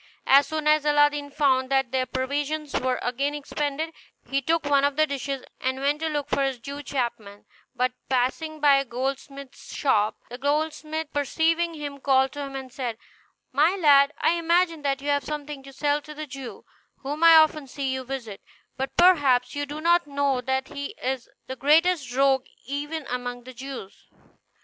As soon as Aladdin found that their provisions were again expended, he took one of the dishes, and went to look for his Jew chapman; but passing by a goldsmith's shop, the goldsmith perceiving him called to him and said, "My lad, I imagine that you have something to sell to the Jew, whom I often see you visit; but perhaps you do not know that he is the greatest rogue even among the Jews.